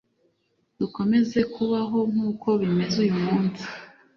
dukomeze kubaho nk uko bimeze uyu munsi